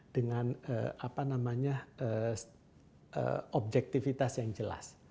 dengan apa namanya objektifitas yang jelas